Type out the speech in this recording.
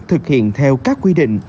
thực hiện theo các quy định